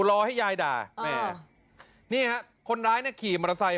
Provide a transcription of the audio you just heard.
รอให้ยายด่าแม่นี่ฮะคนร้ายเนี่ยขี่มอเตอร์ไซค